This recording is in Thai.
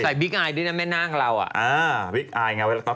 ใส่วิกไอ่ด้วยนะแม่นางเรา